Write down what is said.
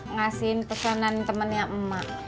ngasihin pesanan temennya emak